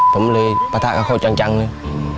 ผมเลยปะทะกับเขาจังเลย